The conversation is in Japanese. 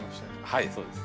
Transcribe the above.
はいそうです。